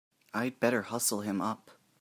I'd better hustle him up!